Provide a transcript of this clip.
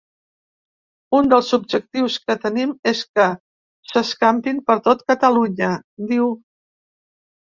“Un dels objectius que tenim és que s’escampin per tot Catalunya”, diu.